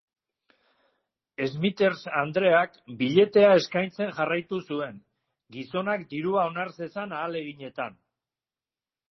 Smithers andreak billetea eskaintzen jarraitu zuen, gizonak dirua onar zezan ahaleginetan.